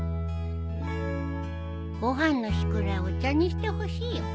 ご飯の日くらいお茶にしてほしいよ。